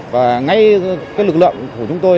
và ngay lực lượng của chúng tôi